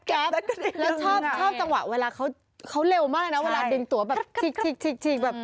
ชอบจังหวะเวลาเขาเร็วมากนะเวลาดึงตัวแบบ